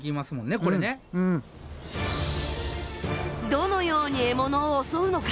どのように獲物を襲うのか。